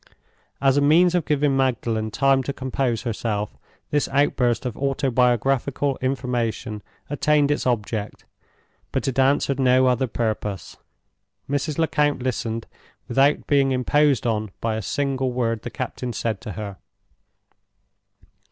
As a means of giving Magdalen time to compose herself, this outburst of autobiographical information attained its object, but it answered no other purpose. Mrs. Lecount listened, without being imposed on by a single word the captain said to her.